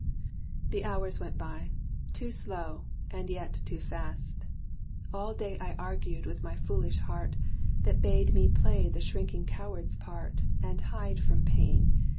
The hours went by, too slow, and yet too fast. All day I argued with my foolish heart That bade me play the shrinking coward's part And hide from pain.